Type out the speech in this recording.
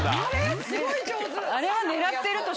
すごい上手！